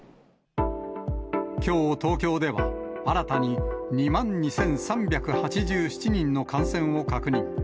きょう東京では、新たに２万２３８７人の感染を確認。